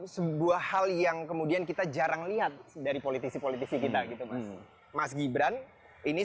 sebuah hal yang kemudian kita jarang lihat dari politisi politisi kita gitu mas mas gibran ini